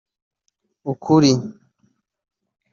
ukuri